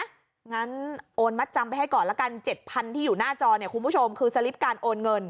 งั้นโอนมัดจำไปให้ก่อนละกัน๗๐๐ที่อยู่หน้าจอเนี่ยคุณผู้ชมคือสลิปการโอนเงิน